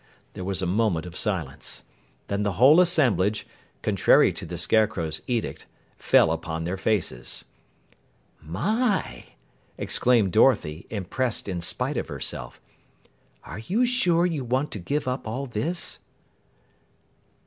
There was a moment of silence. Then the whole assemblage, contrary to the Scarecrow's edict, fell upon their faces. "My!" exclaimed Dorothy, impressed in spite of herself. "Are you sure you want to give up all this?"